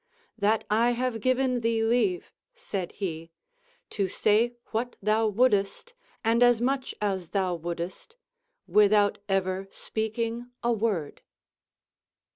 "That I have given thee leave," said he, "to say what thou wouldest, and as much as thou wouldest, without ever speaking a word."